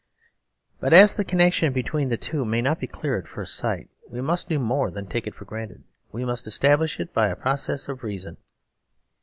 But as the connection between the two may not be clear at first sight, we must do more than take it for granted. We must establish it by process of reason.